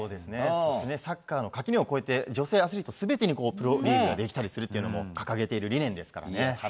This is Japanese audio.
そしてサッカーの垣根を越えて女性アスリート全てに全てにプロリーグができたりするというのも掲げている理念です。